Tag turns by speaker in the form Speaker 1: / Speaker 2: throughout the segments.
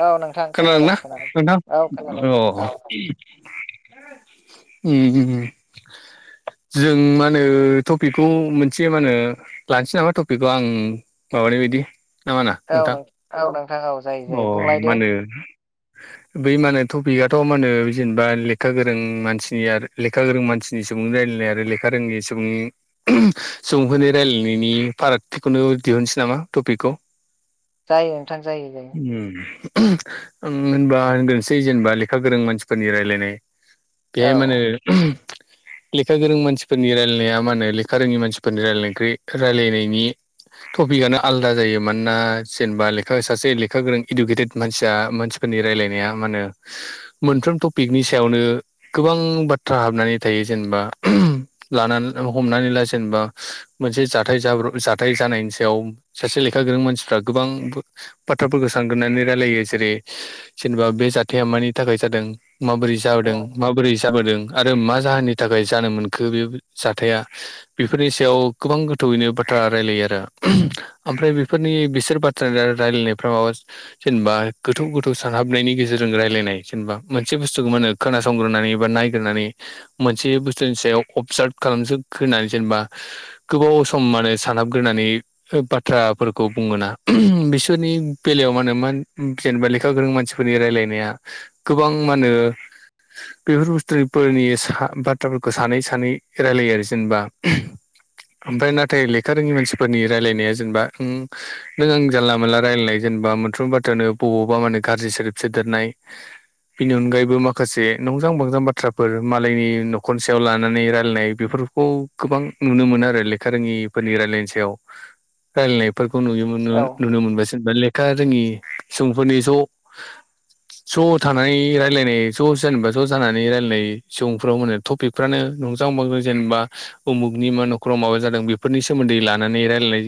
Speaker 1: औ नोंथां खोनादों
Speaker 2: खोनादोंना
Speaker 1: खोनादों
Speaker 2: नोंथां
Speaker 1: औ खोनादों
Speaker 2: अ।
Speaker 1: औ
Speaker 2: उम-उम। जों मा होनो टपिकखौ मोनसे मा होनो लानोसै नामा टपिकखौ आं माबानाय बायदि। नामा ना
Speaker 1: औ
Speaker 2: नोंथां
Speaker 1: नों औ नोंथां औ जायो
Speaker 2: अ
Speaker 1: जायो बुंलाय
Speaker 2: मा
Speaker 1: दे
Speaker 2: होनो बै मा होनो टपिकआथ' मा होनो जेनेबा लेखा गोरों मानसिनि आरो लेखा गोरों मानसिनि सुबुं जा नाय आरो लेखा रोङि सुबुं-सुबुंफोरनि रायलायनायनि फारागथिखौनो दिहुनसै नामा टपिकखौ?
Speaker 1: जायो नोंथां जायो-जायो।
Speaker 2: ओम होनबा होनग्रोनसै जेनेबा लेखा गोरों मानसिफोरनि रायलायनाय।
Speaker 1: औ
Speaker 2: बेयाइ माहोनो। लेखा गोरों मानसिफोरनि रायलायनाया मा होनो लेखा रोङि मानसिफोरनि रायलायनायख्रुइ रायलायनायनि। टपिकआनो आलदा जायो मानोना जेनबा लेखा सासे लेखा गोरों इडुकेटेड मानसिया मानसिफोरनि रायायनाया माहोनो मोनफ्रो फ्रोम थपिकनि सायावनो गोबां बाथ्रा हाबनानै थायो जेनेबा लानानै ह नानै ला जेनेबा मोनसे जाथाय जाब्र' जाथाय जानायनि सायाव सासे लेखा गोरों मानसिफ्रा। गोबां बो-बाथ्राफोरखौ सानग्रोनानै रायलायो जेरै- जेनेबा बे जाथाया मानि थाखाय जादों। माबोरै
Speaker 1: औ
Speaker 2: जादों माबोरै जाबोदों। आरो मा जाहोननि थाखाय जानो मोनखो बे जाथाया बेफोरनि सायाव गोबां गोथौयैनो बाथ थ्रा रायलायो आरो ओमफ्राय बेफोरनि बिसोर बाथ्रा रा-रायलायनायफ्रा माबा जेनेबा गोथौ-गोथौ सानहाबनायनि गेजेरजों रायजलायनाय जेनेबा मो मोनसे बुुस्थुखौ माहोनो खोनासंग्रोनानै बा नायग्रोनानै मोनसे बुस्थुनि सायाव अबजार्भ खालामनो ग्रोना जेनेबा गोबाव सम मानो सानहाबग्रोनानै ओ बाथ्राफोरखौ बुङोना। बिसोरनि बेलायाव मा होनो मान जेनेबा लेखा गोरों मानसिफोरनि रायलायनाया गोबां मा होनो बेफोर बुस्थुफोरनि सा बाथ्राफोरखौ सानै सानै रायलायो आरो जेनोबा। ओमफ्राय नाथाय लेखा रोङि मानसिफोरनि रायलायनाया जेनोबा उम नों आं जानला मोनला रायलायनाय जेनोबा मोनफ्रोमबो बाथ्रानो बबावबा मा होनो गाज्रि सोदोब सोदेरनाय। बेनि अनगायैबो माखासे नंजां बांजां बाथ्राफोर मालायनि न'खरनि सायाव लानानै रायलायनाय बेफोर खौ गोबां नुनो मोनो आरो लेखा रोङिफोरनि रायलायनायनि सायाव रायलायनायफोरखौ नुयो
Speaker 1: औ
Speaker 2: नु-नुनो मोनबाय सोरबा लेखा रोङि सुबुंफोरनि ज' ज' थानानै रायलायनाय ज' जेनोबा ज' जानानै रायजलायनाय सुबुंफ्राव मा होनो टपिकफ्रानो नंजां बजां जेनोबा उमुगनि मा न'खराव माबा जादों बेफोरनि सोमोन्दै लानानै रायलायनाय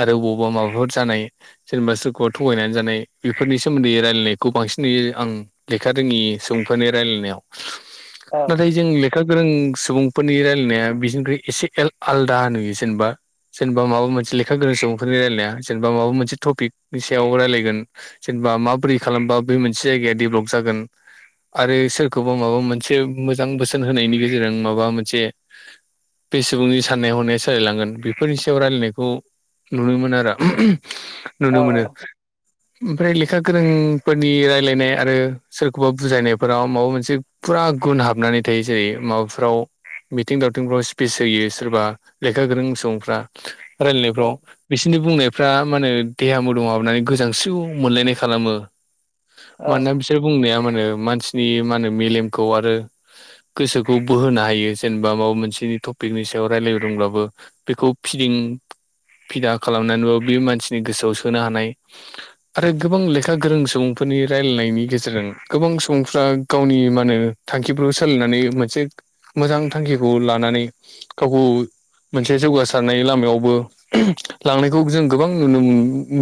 Speaker 2: आरो बबावबा माबा बहुत जानाय जेनोबा सोरखौबा थगायनानै जानाय बेफोरनि सोमोन्दै रायलायनायखौ बांसिन नुयो आं लेखा रोङि सुबुंफोरनि रायनायाव।
Speaker 1: औ
Speaker 2: नाथाय जों लेखा गोरों सुबुंफोरनि रायलायनाया बिनिख्रुइ एसे एल आलदा नुयो जेनोबा सोरनेबा माबा मोनसे लेखा गोरों सुबुंफोरनि रायलनाया जेनोबा माबा मोनसे टपिकनि सायाव रायलायगोन जेनोबा माबोरै खालामबा बे मोनसे जायगाया देभलप जा गोन आरो सोरखौबा माबा मोनसे मोजां बोसोन होनायनि गेजेरजों माबा मोनसे बे सुबुंनि साननाय हनाया सोलायलांगोन बेफोरनि सायाव रायलायनायखौ नुनो मोनो आरो। [inaudible]
Speaker 1: औ
Speaker 2: नुनो मोनो। ओमफ्राय लेखा गोरोंफोरनि रायलायनाय आरो सोरखौबा बुथारनाय फोराव माबा मोनसे फुरा गुन हाबनानै थायो। जेरै माबाफ्राव मिथिं दावथिंफ्राव स्पिस होयो सोरबा लेखा गोरों सुबुंफ्रा।
Speaker 1: औ
Speaker 2: रायलायनायफ्राव बिसिनि बुंनाय फ्रा माहोनो देहा मोदोमाव हाबनानै गोजांस्रिु मोनलायनाय खालामो।
Speaker 1: औ
Speaker 2: मानोना बिसोर बुंनाया माहोनो मानसिनि मा होनो मेलेमखौ आरो गोसोखौ बोहोनो हायो जेनोबा माबा मोनसे टपिकनि सायाव रायलायदोंब्लाबो बेखौ फि दिं फिदा खालामनानैबाबो बे मानसिनि गोसोआव सोनो हानाय आरो गोबां लेखा गोरों सुबुंफोरनि रायलायनायनि गेजेरजों गोबां सुबुंफ्रा गावनि मा होनो थांखिफोरखौ सोलायनानै मोनसे मोजां थांखिखौ लानानै गावखौ मोनसे जौगारनाय लामायावबो लांनायखौ जों गोबां नुनो मो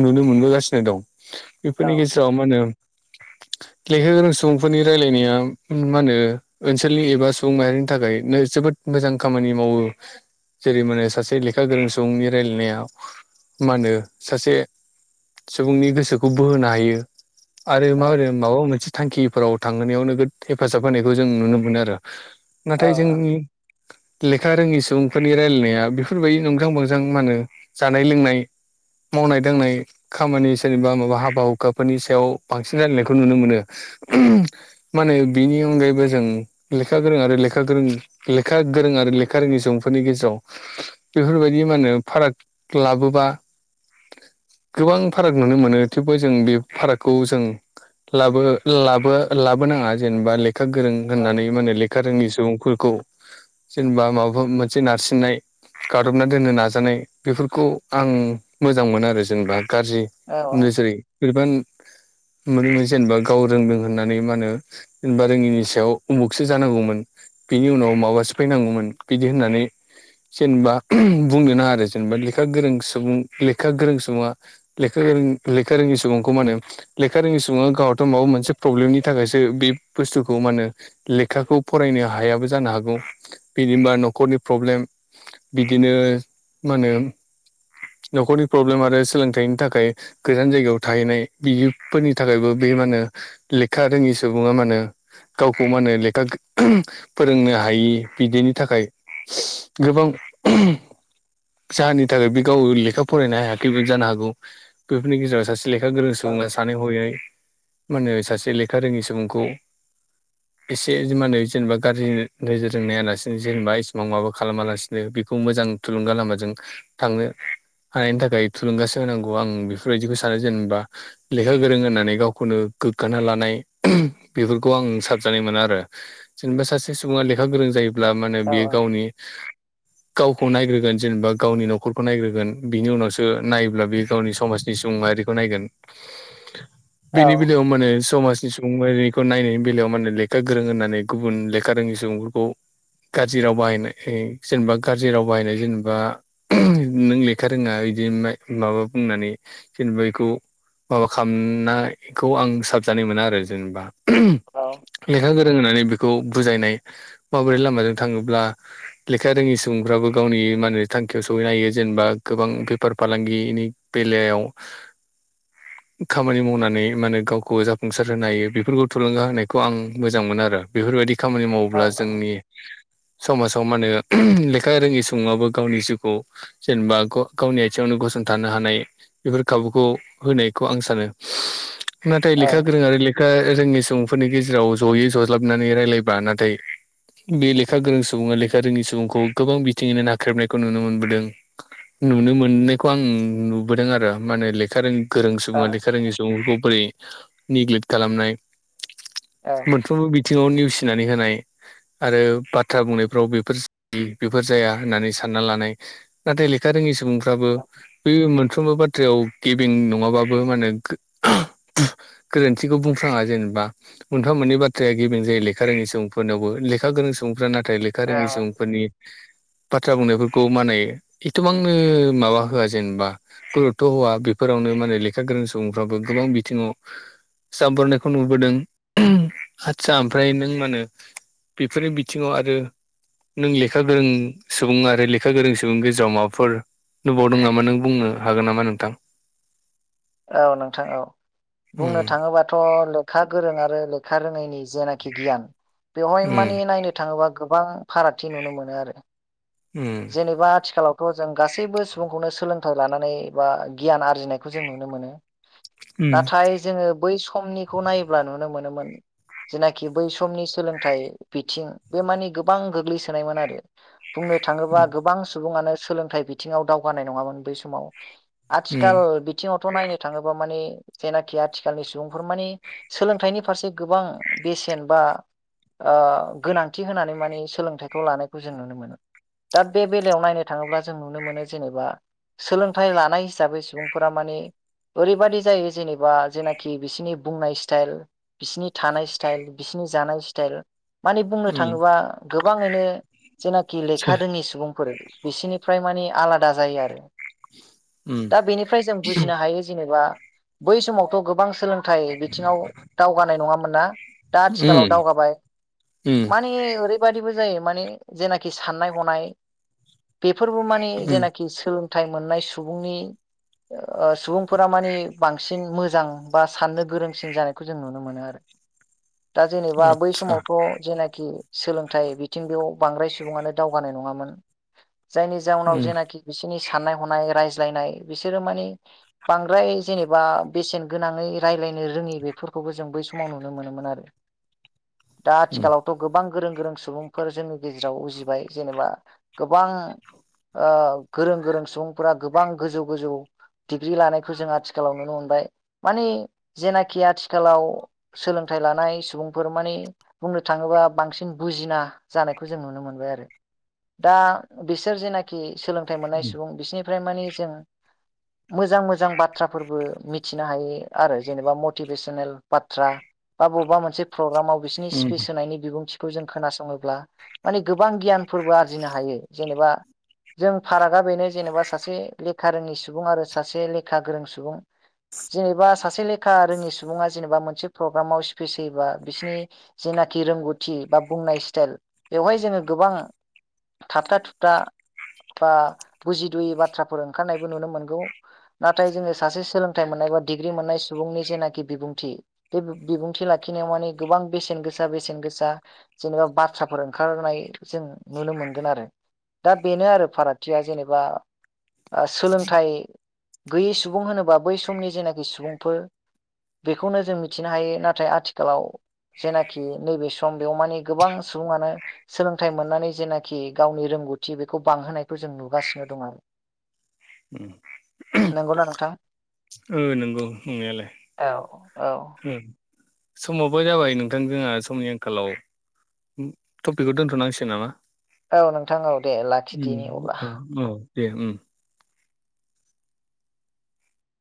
Speaker 2: नुनो मोनबोगासिनो दं।
Speaker 1: औ
Speaker 2: बेफोरनि गेजेराव मा होनो लेखा गोरों सुबुंफोरनि रायलायनाया मा होनो ओनसोलनि एबा सुबुं माहारिनि थाखायनो जोबो द मोजां खामानि मावो। जेरै माने सासे लेखा गोरों सुबुंनि रायलायनाया मा होनो सासे सुबुंनि गोसोखौ बोहोनो हायो आरो मा होनो माबा मोनसे थांखिफोराव थांहोनायाव नोगोद हेफाजाब होनायखौ जों नुनो मोनो आरो।
Speaker 1: औ
Speaker 2: नाथाय जोंनि लेखा रोङि सुबुंफोरनि रायलायनाया बेफोरबायदि नंजां बांजां मा होनो जानाय लोंनाय मावनाय दांनाय खामानि सोरनिबा माबा हाबा हुखाफोरनि सायाव बांसिन रायलायनायखौ नुनो मोनो। माने बिनि अनगायैबो जों लेखा गोरों आरो लेखा गोरों लेखा गोरों आ लेखा रोङि सुबुंफोरनि गेजेराव बेफोरबायदि मा होनो फाराग लाबोबा गोबां फाराग नुनो मोनो थेवबो जों बे फारागखौ जों लाबो लाबो लाबोनांङा जेनोबा लेखा गोरों होननानै मा होनो लेखा रोङि सुबुंफो खौ जेनोबा माबाफोर मोनसे नारसिननाय गादबना दोननो नाजानाय बेफोरखौ आं मोजां मोना आरो जेनोबा गाज्रि
Speaker 1: औ
Speaker 2: नोजोरै बिबान मानो होनबा जेनोबा गाव रोंदों होननानै मा होनो जेनेबा रोङिनि सायाव उमुखसो जानांगौमोन बिनि उनाव माबासो फैनांगौमोन बिदि होननानै जेनोबा बुंनो नांङा आरो जेनोबा लेखा गोरों सुबुं लेखा गोरों सुबुंङा लेखा गोरों लेखा रोङि सुबुंखौ मा होनो लेखा रोङि सुबुं गावाथ' माबा मोनसे प्रब्लेमनि थाखायसो बे बुस्थुखौ मा होनो लेखाखौ फरायनो हायाबो जानो हागौ। बिदिबा न'खरनि प्रब्लेम बिदिनो मा होनो न'खरनि प्रब्लेम आरो सोलोंथाइनि थाखाय गोजान जायगायाव थाहैनाय बिफोरनि थाखायबो बे मा होनो लेखा रोंङि सुबुंङा मा होनोे गावखौ मा होनो लेखा फोरोंनो हायि बिदिनि थाखाय गोबां [unintelligible] जाहोननि थाखाय बे गाव लेखा फरायनो हायाखै बे जानो हागौ। बेफोरनि गेजेराव सासे लेखा गोरों सुबुंङा सानै हयै मा होनो सासे लेखा रोंङि सुबुंखौ एसे मा होनो जेनेबा गाज्रि नोजोरजों नायालासिनो जेनेबा इसिबां माबा खालामा लासिनो बेखौ मोजां थुलुंगा लामाजों थांनो हानायनि थाखाय थुलुंगाासो होनांगौ आं बेफोरबायदिखौ सानो जेनेबा ।लेखा गोरों होननानै गावखौनो गो ग्गाना लानाय बेफोरखौ आं साबजानाय मोना आरो जेनेबा सासे सुबुङा लेखा गोरों जायो ब्ला माने
Speaker 1: औ
Speaker 2: बियो गावनि गावखौ नायग्रोगोन जेनेबा गावनि न'खरखौ नायग्रोगोन । बिनि उनावसो नायोब्ला बे गावनि समाजनि सुबुं माहारिखौ नायगोन । बेनि बेलायाव माने समाज नि सुबुं माहारिखौ नायनायनि बेलायाव माने लेखा गोरों होननानै गुबुन लेखा रोङि सुबुंफोरखौ गाज्रि राव बाहायनाय जेनेबा गाज्रि राव बाहायनाय जेनेबा नों ले खा रोङा इदि माय माबा बुंनानै जेनेबा बेखौ माबा खालामनायखौ आं साबजानाय मोना आरो जेनेबा। [unintelligible] लेखा गोरों होननानै बे खौ बुजायनाय माबोरै लामाजों थांङोब्ला लेखा रोङि सुबुंफ्राबो गावनि मा होनो थां खियाव सहैनो हायो जेनेबा गोबां बेफार फालांगिनि बेलायाव खामानि मावनानै मा होनो‌ गावखौ जाफुंसार होनो हायो बेफोरखौ थुलुंगा होनायखौ आं मोजां मोनो आरो। बेफोरबायदि खामानि मावोब्ला जोंनि समाजाव मा होनो [unintelligible] लेखा रोङि सुबुंआबो गावनि जिउखौ जेनेबा गावनि आथिङावनो गसंथानो हानाय बेफोर खाबुखौ होनायखौ आं सानो नाथाय लेखा गोरों आरो लेखा रोंङि सुबुंफोरनि गेजेराव जयै जज्लाबनानै रायलायबा नाथाय बे लेखा गोरों सुबुङा लेखा रोङि सुबुंखौ गोबां बिथिङैनो नाख्रेबनायखौ नुनो मोनबोदों। नुनो मोननायखौ आं नुबोदों आरो माने लेखा रोङि गोरों सुबङा लेखा रोङनि सुबुंफोरखौ बोरै निग्लेक्ट खालामनाय मोनफ्रोमबो बिथिङाव निउस नानै होनाय आरो बाथ्रा बुंनायफ्राव बेफोर बेफोर जाया होननानै सानना लानाय नाथाय ले खा रोङि सुबुंफ्राबो बे मोनफ्रोमबो बाथ्रायाव गेबिं नङाबाबो माने गोरोन्थिखौ बुंफ्राङा जेनेबा मोनफा मोननै बाथ्राया गेबिं जायो लेखा रोङनि सुबुंफोरनावबो लेखा गोरों सुबुंफोरा नाथाय लेखा
Speaker 1: औ
Speaker 2: रोङि सुबुंफोरनि बाथ्रा बुंनायफोरखौ मा होनो एथबांनो माबा होआ जेनेबा गुरुतत' होवआ बेफोरावनो माने लेखा गोरों सुबुंफ्राबो गोबां गोबां बिथिङाव जाब्रनायखौ नुबोदों आदसा ओमफ्राय नों मा होनो बेफोरनि बिथिङाव आरो नों लेखा गोरों सुबुं आरो लेखा गोरों सुबुं गेजेराव माबाफोर नुबावदों नामा नों बुंनो हागोन नामा नोंथां
Speaker 1: औ नोंथां औ
Speaker 2: उम
Speaker 1: बुंनो थाङोबाथ' लेखा गोरों आरो लेखा रोङैनि जेनाखि गियान बेवहाय
Speaker 2: उम
Speaker 1: माने नायनो थाङोबा गोबां फारागथि नुनो मोनो आरो
Speaker 2: उम
Speaker 1: जेनेबा आथिखालाव थ जों गासैबो सुबुंखौनो सोलोंथाइ लानानै बा गियान आरजिनायखौ जों नुनो मोनो नाथाय जोङो बै समनिखौ नायोब्ला नुनो मोनोमोन जेनाखि बै समनि सोलोंथाइ बिथिं बे मानिे गोबां गोग्लैसोनायमोन आरो बुंनो थाङोबा गोबां सुब सुबुंआनो सोलोंथाइ बिथिंआव दावगानाय नङामोन बै समाव
Speaker 2: उम
Speaker 1: आथिखाल बिथिङाव नायनो थाङोबा माने जेनाखि आथिखालनि सुबुंफोर माने सोलोंथाइनि फारसे गोबां बे बेसेन बा ओ गोनांथि होनानै माने सोलोंथाइखौ लानायखौ जों नुनो मोनो दा बे बेलायाव नायनो थाङोब्ला जों नुनो मोनो जेनेबा सोलोंथाइ लानाय हिसाबै सुबुंफोरा माने ओरैबादि जायो जेनेबा जेनाखि बिसिनि बुंनाय स्टाइल बिसिनि थानाय स्टाइल बिसिनि जानाय स्टेल माने बुंनो
Speaker 2: उम
Speaker 1: थाङोबा गोबाङैनो जेनाखि
Speaker 2: सो
Speaker 1: लेखा रोङि सुबुं बिसिनिफ्राय मानि आलादा जायो आरो।
Speaker 2: उम
Speaker 1: दा बेनिफ्राय जों बुजिनो हायो जेनेबा बै समावथ' गोबां सोलों थाय बिथिङाव दावगानाय नङामोन ना। दा आथिखालाव
Speaker 2: उम
Speaker 1: दावगाबाय
Speaker 2: उम
Speaker 1: माने ओरैबायदिबो जायो माने जेनाखि साननाय हनाय बेफोरबो माने
Speaker 2: उम
Speaker 1: जेनाखि सोलों थाय मोननाय सुबुंनि ओ सुबुंफोरा मानि बांसिन मोजां बा साननो गोरोंसिन जानायखौ जों नुनो मोनो आरो।
Speaker 2: [unintelligible]
Speaker 1: दा जेनेबा बै
Speaker 2: आतसा
Speaker 1: समावथ' जेनाखि सोलोंथाइ बिथिं बेयाव बांद्राय सुबुङानो दावगानाय नङामोन जायनि जाउनाव
Speaker 2: उम
Speaker 1: जेनाखि बिसिनि साननाय हनाय रायज्लायनाय बिसोरो मानि बांद्राय जेनेबा बेसेन गोनाङै रायलाय नो रोङि बेफोरखौबो जों बै समाव नुनो मोनोमोन आरो।
Speaker 2: [unintelligible]
Speaker 1: दा
Speaker 2: उम
Speaker 1: आथिखालावथ' गोबां गोरों गोरों सुबुंफोर जोंनि गेजेराव गेजेराव उजिबाय जेनेबा गोबां ओ गोरों गोरों सुबुंफोरा गोबां गोजौ गोजौ डिग्रि लानायखौ जों आथिखालाव नुनो मोनबाय माने जेनाखि आथिखालाव सोलोंथाइ थाय लानाय सुबुंफोर माने बुंनो थाङोबा बांसिन बुजिना जानाय खौ जों नुनो मोनबाय आरो दा बिसोर जेनाखि सोलोंथाइ मोननाय
Speaker 2: उम
Speaker 1: सुबुं बिसिनि फ्राय मानि जों मोजां मोजां बाथ्राफोरबो मिथिनो हायो आरो जेनेबा मटिभेसनेल बाथ्रा। बा बबेबा मोनसे प्रग्रामाव बिसोरनि स्पिस
Speaker 2: उम
Speaker 1: होनायनि बिबुंथिखौ जों खोनासङोब्ला माने गोबां गियानफोरबो आरजिनो हायो जेनेबा जों फारागा बेनो जेनेबा सासे लेखा रोङि सुबुं आरो सासे लेखा गोरों सुबुं। जेनेबा सासे लेखा रोङि सुबुङा जेनेबा मोनसे प्रग्रामाव स्पिस होयोबा बिसिनि जे रोंगौथि बा बुंनाय स्टाइल बेवहाय जोंङो गोबां थाबथा थुुबथा बा बुजिदुयि बाथ्राफोर ओंखारनायबो नुनो मोनगौ नाथाय जोंङो सासे सोलोंथाइ मोननाय एबा डिग्रि मोननाय सुबुंनि जेनाखि बिबुंथि बे बिबुंथि लाखिनायाव माने गोबां बेसेन गोसा बेसेन बेसेन गोसा जेनेबा बाथ्राफोर ओंखारनाय जों नुनो मोनगोन आरो। दा बेनो आरो फारागथिया जेनेबा ओ सोलोंथाइ गैयै सुबुं होनोबा बै समनि जेनाखि सुबुंफोर बेखौनो जों मिथिनो हायो नाथाय आथिखालाव जेनाखि नैबे सम बेयाव माने गोबां सुबुङानो सोलोंथाइ मोननानै जेनाखि गावनि रोंगौथि बेखौ बांहोनायखौ जों नुगासिनो दं आरो।
Speaker 2: उम।
Speaker 1: नंगौना नोंथां?
Speaker 2: ओ नंगौ नंनायालाय
Speaker 1: औ औ
Speaker 2: उम। समाबो जाबाय नोंथां जोंहा समनि आंखालाव टपिकखौ दोनथनांसिगोन नामा।
Speaker 1: औ नोंथां औ दे लाखिदिनि
Speaker 2: उम
Speaker 1: अब्ला।
Speaker 2: औ औ दे उम।